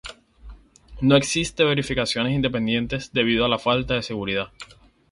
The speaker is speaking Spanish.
No existen verificaciones independientes debido a la falta de seguridad.